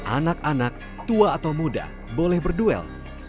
anak anak tua atau muda boleh berduel